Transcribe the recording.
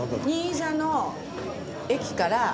新座の駅から。